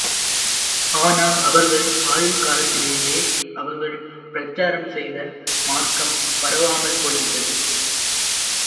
ஆனால், அவர்கள் ஆயுள் காலத்திலேயே, அவர்கள் பிரச்சாரம் செய்த மார்க்கம் பரவாமல் போய்விட்டது.